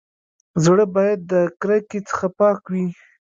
زړه بايد د کرکي څخه پاک وي.